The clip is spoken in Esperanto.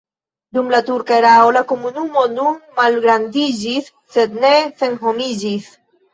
Dum la turka erao la komunumo nur malgrandiĝis, sed ne senhomiĝis.